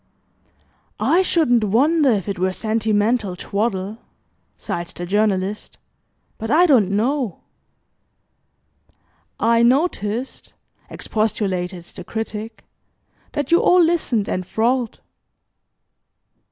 '" "I shouldn't wonder if it were sentimental twaddle," sighed the Journalist, "but I don't know." "I noticed," expostulated the Critic, "that you all listened, enthralled."